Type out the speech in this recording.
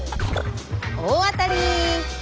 大当たり！